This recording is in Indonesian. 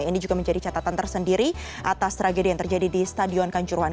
ini juga menjadi catatan tersendiri atas tragedi yang terjadi di stadion kanjuruhan